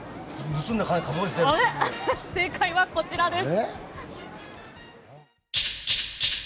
正解はこちらです。